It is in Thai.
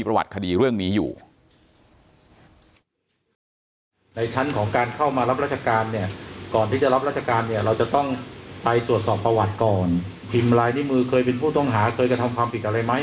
พิมพ์ไลน์ที่มือเคยเป็นผู้ต้องหาเคยกระทำความผิดอะไรไหม